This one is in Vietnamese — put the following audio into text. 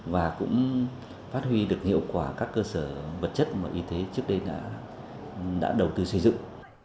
và cũng phát huy được hiệu quả các cơ sở vật chất mà y tế trước đây đã đầu tư xây dựng